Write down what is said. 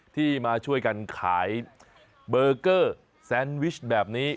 ที่มาช่วยกันขายเบอร์เกอร์แซนวิชแบบนี้